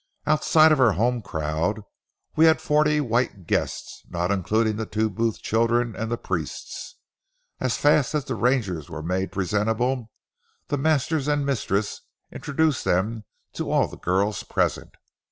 Outside of our home crowd, we had forty white guests, not including the two Booth children and the priests. As fast as the rangers were made presentable, the master and mistress introduced them to all the girls present.